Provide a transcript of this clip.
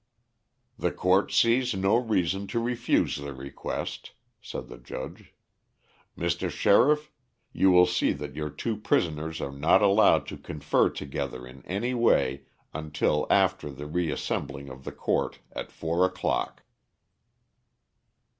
"The court sees no reason to refuse the request," said the judge. "Mr. Sheriff, you will see that your two prisoners are not allowed to confer together in any way until after the reassembling of the court, at four o'clock."